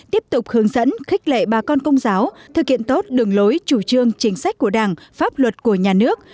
tiếp tục hướng dẫn khích lệ bà con công giáo thực hiện tốt đường lối chủ trương chính sách của đảng pháp luật của nhà nước